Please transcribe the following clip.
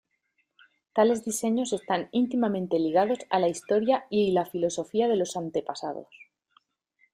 Tales diseños están íntimamente ligados a la historia y la filosofía de los antepasados.